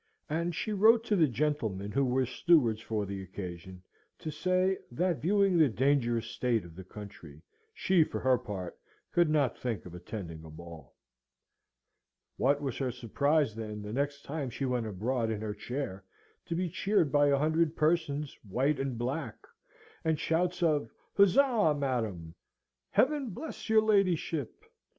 And she wrote to the gentlemen who were stewards for the occasion to say, that viewing the dangerous state of the country, she, for her part, could not think of attending a ball. What was her surprise then, the next time she went abroad in her chair, to be cheered by a hundred persons, white and black, and shouts of "Huzzah, Madam!" "Heaven bless your ladyship!"